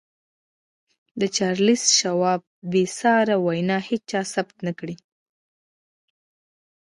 د چارليس شواب بې ساري وينا هېچا ثبت نه کړه.